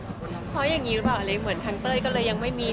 เพราะอย่างนี้หรือเปล่าทางเต้ยก็เลยยังไม่มี